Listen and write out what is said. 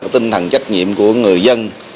tinh thần trách nhiệm của người dân